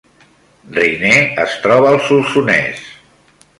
Riner es troba al Solsonès